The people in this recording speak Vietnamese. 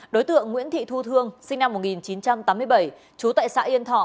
đối tượng nguyễn thị thu thương sinh năm một nghìn chín trăm tám mươi bảy trú tại xã yên thọ